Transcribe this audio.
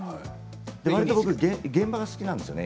わりと僕現場が好きなんですよね。